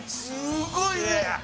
すっごい！